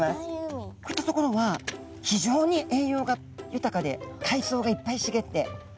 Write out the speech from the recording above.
こういった所は非常に栄養が豊かでかいそうがいっぱいしげって。